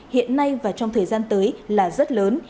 hiện nay và trong thời gian tới là rất lớn